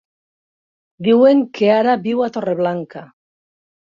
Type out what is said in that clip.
Diuen que ara viu a Torreblanca.